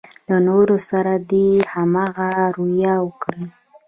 له نورو سره دې هماغه رويه وکړي.